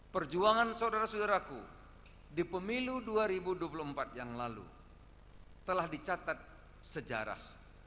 perjuangan saudara saudaraku di pemilu dua ribu dua puluh empat yang lalu telah dicatat sejarah